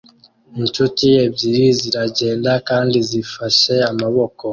Inshuti ebyiri ziragenda kandi zifashe amaboko